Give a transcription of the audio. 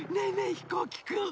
ひこうきくん！